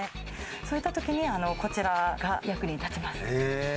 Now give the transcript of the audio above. そういったときに、こちらが役に立ちます。